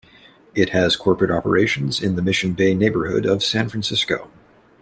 It has corporate operations in the Mission Bay neighborhood of San Francisco.